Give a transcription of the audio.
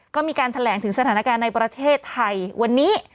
ก็มีการแถลงถึงสถานการณ์ในประเทศไทยวันนี้